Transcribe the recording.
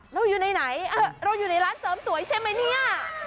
เราอยู่ในไหนเราอยู่ในร้านเสริมสวยใช่ไหมเนี่ย